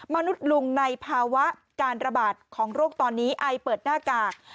มนุษย์ลุงในภาวะการระบาดของโรคตอนนี้ไอเปิดหน้ากาก